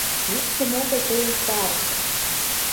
Йӱксым огыл тый утарышыч